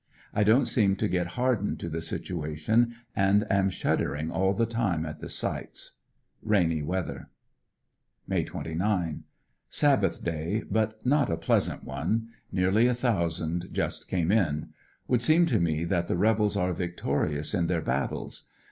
I don't seem to get hardened to the situation and am shuddering all the time at the sights. Rainy weather. 63 ANDEB80NVILLE DIARY, May 29. — Sabbath day but not a pleasant one. Nearly a thous and just came in. Would seem to me that the rebels are victorious in their battles.